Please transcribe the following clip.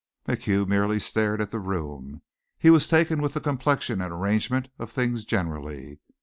MacHugh merely stared at the room. He was taken with the complexion and arrangement of things generally.